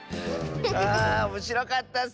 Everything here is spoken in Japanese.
あおもしろかったッス！